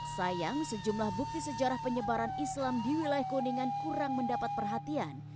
sayang sejumlah bukti sejarah penyebaran islam di wilayah kuningan kurang mendapat perhatian